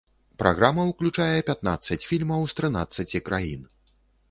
Праграма ўключае пятнаццаць фільмаў з трынаццаці краін.